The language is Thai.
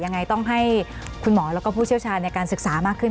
ยังไงต้องให้คุณหมอแล้วก็ผู้เชี่ยวชาญในการศึกษามากขึ้น